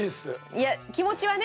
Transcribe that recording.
いや気持ちはね